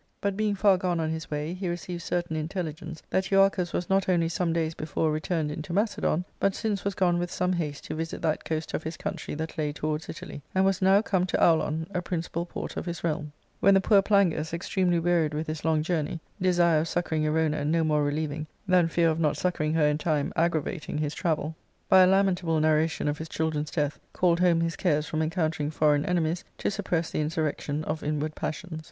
But being far gone on his way, he received certain intelligence that Euarchus was not only some days before returned into Macedon, but since was gone with some haste to visit that coast of his country that lay towards Italy, and was now come to Aulon, a principal port of his realm, when the poor Plangus, extremely wearied with his long journey — desire of succouring Erona no more relieving than fear of not suc couring her in time aggravating his travel — ^by a lamentable narration of his children's death, called home his cares from encountering foreign enemies to suppress the insurrection of inward passions.